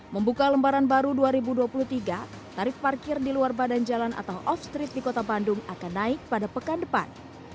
membuka lembaran baru dua ribu dua puluh tiga tarif parkir di luar badan jalan atau off street di kota bandung akan naik pada pekan depan